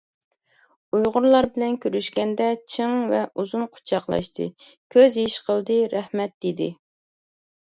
ئۇيغۇرلار بىلەن كۆرۈشكەندە چىڭ ۋە ئۇزۇن قۇچاقلاشتى، كۆز يېشى قىلدى، رەھمەت دېدى .